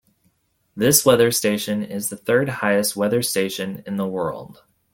This weather station is the third-highest weather station in the world.